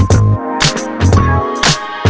bangun yuk sholat yuk